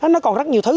nó còn rất nhiều thứ